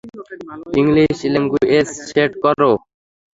English language set করো।